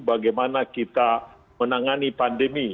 bagaimana kita menangani pandemi